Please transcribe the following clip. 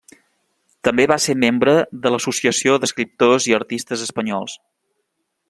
També va ser membre de l'Associació d'Escriptors i Artistes Espanyols.